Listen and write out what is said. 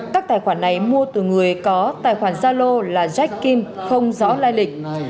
các tài khoản này mua từ người có tài khoản gia lô là jack in không rõ lai lịch